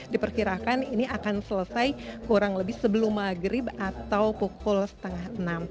diperkirakan ini akan selesai kurang lebih sebelum maghrib atau pukul setengah enam